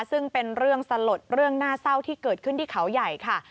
ซึ่งเป็นเรื่องสลดเรื่องน่าเศร้าที่เกิดขึ้นที่เขาใหญ่ค่ะ